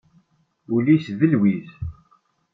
Ul-is d lwiz.